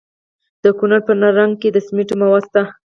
د کونړ په نرنګ کې د سمنټو مواد شته.